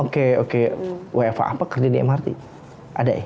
oke oke wfa apa kerja di mrt ada ya